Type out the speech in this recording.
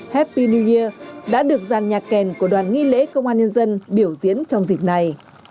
happy new year đã được giàn nhạc kèn của đoàn nghị lễ công an nhân dân biểu diễn trong dịp này